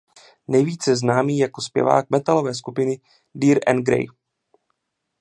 Nejvíce známý jako zpěvák metalové skupina Dir en grey.